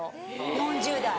４０代。